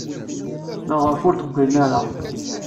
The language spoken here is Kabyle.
Maɣef ur d-qqilen ara?